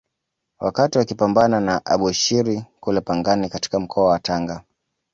Wakati wakipambana na Abushiri kule Pangani katika mkoa wa Tanga